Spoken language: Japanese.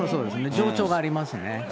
情緒がありますね。